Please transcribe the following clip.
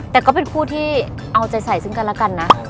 แต่ก็เป็นคู่ที่เอาใจใส่ซึ่งกันแล้วกันนะ